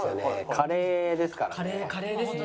カレーですからね。